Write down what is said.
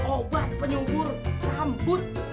obat penyumbur rambut